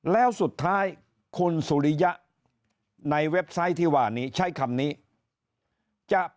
แล้วสุดท้ายคุณสุริยะในเว็บไซต์ที่ว่านี้ใช้คำนี้จะ